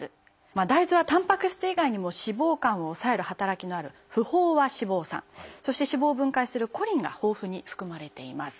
大豆はたんぱく質以外にも脂肪肝を抑える働きのある不飽和脂肪酸そして脂肪を分解するコリンが豊富に含まれています。